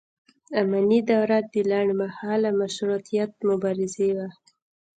اماني دوره د لنډ مهاله مشروطیت مبارزې وه.